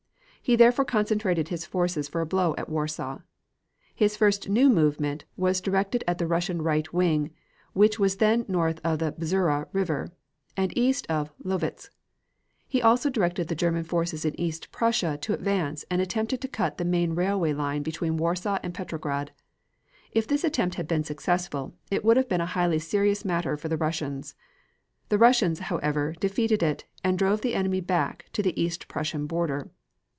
He therefore concentrated his forces for a blow at Warsaw. His first new movement was directed at the Russian right wing, which was then north of the Bzura River and east of Lowicz. He also directed the German forces in East Prussia to advance and attempted to cut the main railway line between Warsaw and Petrograd. If this attempt had been successful it would have been a highly serious matter for the Russians. The Russians, however, defeated it, and drove the enemy back to the East Prussian border.